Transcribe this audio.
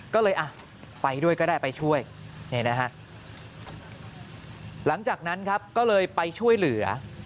ก็เลยไปด้วยก็ได้ไปช่วยหลังจากนั้นก็เลยไปช่วยเหลือ